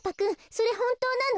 それほんとうなの？